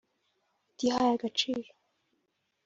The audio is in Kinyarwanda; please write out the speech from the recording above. “Utihaye agaciro